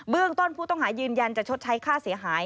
ต้นผู้ต้องหายืนยันจะชดใช้ค่าเสียหาย